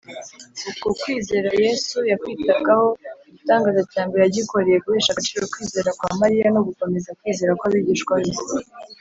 . Uku kwizera Yesu yakwitagaho. Igitangaza cya mbere yagikoreye guhesha agaciro kwizera kwa Mariya, no gukomeza kwizera kw’abigishwa be